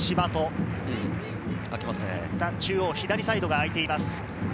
左サイドがあいています。